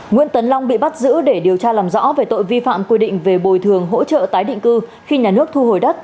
nguyễn tấn long bị bắt giữ để điều tra làm rõ về tội vi phạm quy định về bồi thường hỗ trợ tái định cư khi nhà nước thu hồi đất